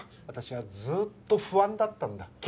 私はずっと不安だったんだ。